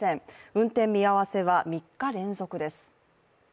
運転見合わせは３日連続です。